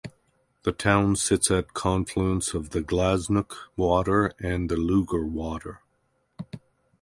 The town sits at the confluence of the Glaisnock Water and the Lugar Water.